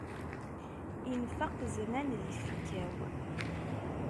Infeq zzman di tfekka-w.